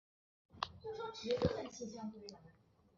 圣阿波利奈尔德里阿。